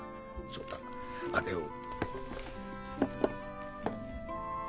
そうだあれを。